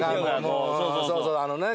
そうそうあのね。